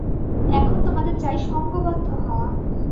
এখন তোমাদের চাই সঙ্ঘবদ্ধ হওয়া।